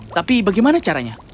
tapi bagaimana caranya